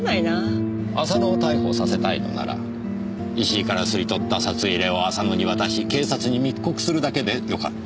浅野を逮捕させたいのなら石井から掏り取った札入れを浅野に渡し警察に密告するだけでよかった。